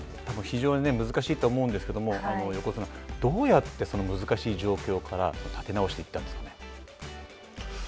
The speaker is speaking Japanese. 非常に難しいと思うんですけども横綱どうやって難しい状況から立て直していったんですかね。